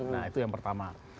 nah itu yang pertama